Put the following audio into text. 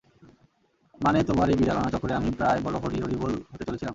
মানে তোমার এই বিড়াল আনার চক্করে আমি প্রায় বলো হরি হরিবোল হতে চলেছিলাম?